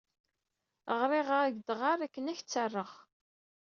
Ɣriɣ-ak-d ɣer akken ad k-ttreɣ.